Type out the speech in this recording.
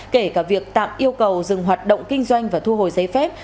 kể cả việc tạm yêu cầu dừng hoạt động kinh doanh và thu hồi giấy phép